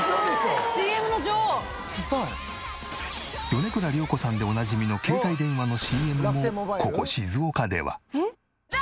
米倉涼子さんでおなじみの携帯電話のＣＭもここ静岡では。